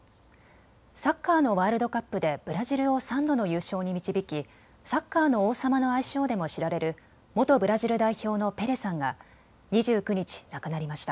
サッカーのワールドカップでブラジルを３度の優勝に導きサッカーの王様の愛称でも知られる元ブラジル代表のペレさんが２９日、亡くなりました。